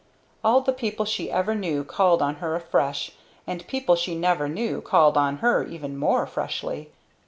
All the people she ever knew called on her afresh, and people she never knew called on her even more freshly.